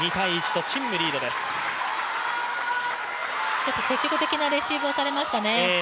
少し積極的なレシーブをされましたね。